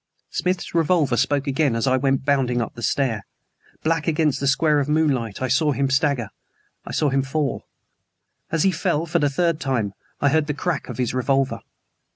Smith's revolver spoke again as I went bounding up the stair. Black against the square of moonlight I saw him stagger, I saw him fall. As he fell, for the third time, I heard the crack of his revolver.